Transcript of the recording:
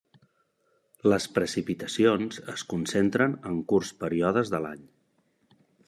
Les precipitacions es concentren en curts períodes de l'any.